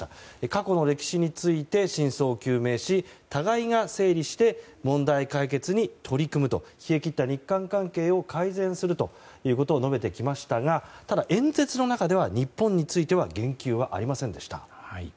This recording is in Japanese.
過去の歴史について真相究明し、互いが整理して問題解決に取り組むと冷え切った日韓関係を改善するということを述べてきましたがただ、演説の中では日本について言及はありませんでした。